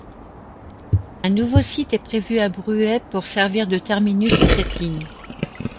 Un nouveau site est prévu à Bruay pour servir de terminus à cette ligne.